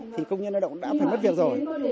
thì công nhân lao động đã phải mất việc rồi